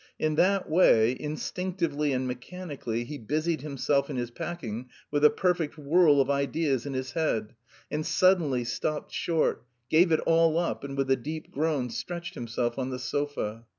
In that way, instinctively and mechanically he busied himself in his packing with a perfect whirl of ideas in his head and suddenly stopped short, gave it all up, and with a deep groan stretched himself on the sofa.